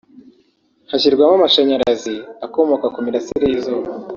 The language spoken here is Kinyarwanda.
hashyirwamo amashanyarazi akomoka ku mirasire y’izuba